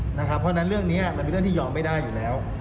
เพราะฉะนั้นเรื่องนี้มันเป็นเรื่องที่ยอมไม่ได้อยู่แล้ว